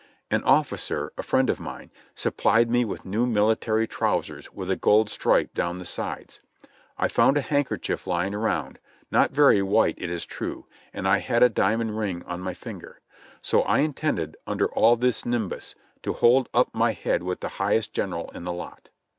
An officer, a friend of mine, supplied me with new military trowsers with a gold stripe down the sides; I found a handkerchief lying around, not very white it is true, and I had a diamond ring on my finger; so I intended, under all this nimbus, to hold up my head with the highest general in the lot.